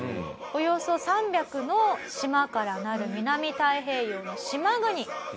およそ３００の島から成る南太平洋の島国。